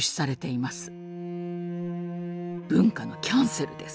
文化のキャンセルです。